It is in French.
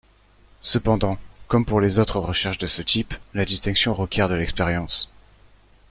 Cependant, comme pour les autres recherches de ce type, la distinction requiert de l'expérience.